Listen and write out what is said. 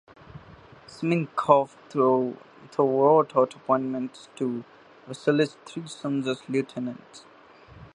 Siminkoff though wrote out appointments to Vasile's three sons as Lieutenants.